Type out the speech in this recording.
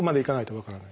分からない。